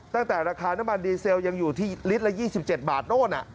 ตั้งแต่ราคาน้ำมันดีเซลยังอยู่ที่ลิตรละ๒๗บาทโน่น